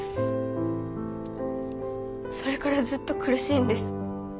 それからずっと苦しいんです。